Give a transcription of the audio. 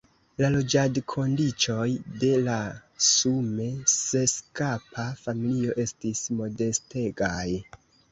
La loĝadkondiĉoj de la sume seskapa familio estis modestegaj.